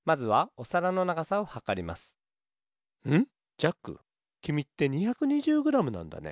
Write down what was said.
ジャックきみって２２０グラムなんだね。